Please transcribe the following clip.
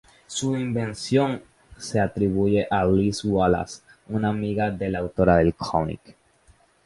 Su invención se atribuye a Liz Wallace, una amiga de la autora del cómic.